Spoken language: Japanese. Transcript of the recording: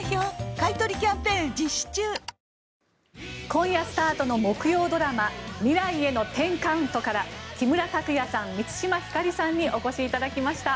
今夜スタートの木曜ドラマ「未来への１０カウント」から木村拓哉さん、満島ひかりさんにお越しいただきました。